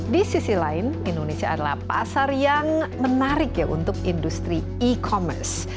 di sisi lain indonesia adalah pasar yang menarik ya untuk industri e commerce